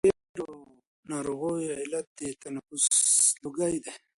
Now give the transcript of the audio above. ډېرو ناروغیو علت د تنفس لوګی دی.